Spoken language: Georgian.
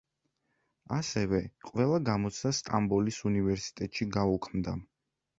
ასევე, ყველა გამოცდა სტამბოლის უნივერსიტეტში გაუქმდა.